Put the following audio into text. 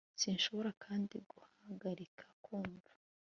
Sinshobora kandi guhagarika kumva